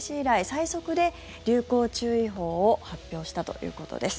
最速で流行注意報を発表したということです。